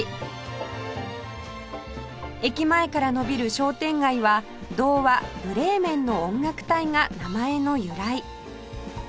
駅前から延びる商店街は童話『ブレーメンの音楽隊』が名前の由来